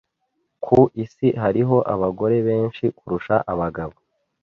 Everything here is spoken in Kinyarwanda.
Ku isi hariho abagore benshi kurusha abagabo.